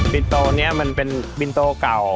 บินโตนี้มันเป็นบินโตเก่า